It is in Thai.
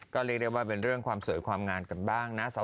ก็เรียกได้ว่าเป็นเรื่องความสวยความงามกันบ้างนะ